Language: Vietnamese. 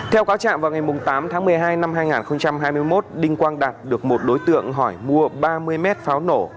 theo cáo trạng vào ngày tám tháng một mươi hai năm hai nghìn hai mươi một đinh quang đạt được một đối tượng hỏi mua ba mươi mét pháo nổ